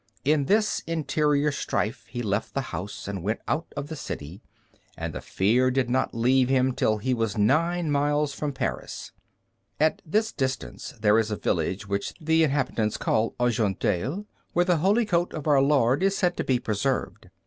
In this interior strife he left the house and went out of the city, and the fear did not leave him till he was nine miles from Paris. At this distance there is a village which the inhabitants call Argenteuil, where the Holy Coat of Our Lord is said to be preserved.